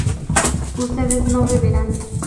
ustedes no beberán